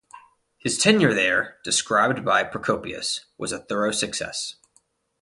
His tenure there, described by Procopius, was a thorough success.